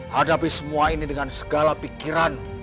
hadapi semua ini dengan segala pikiran